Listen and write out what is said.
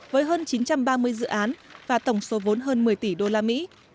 với hơn chín trăm ba mươi dự án và tổng số vốn hơn một mươi tỷ usd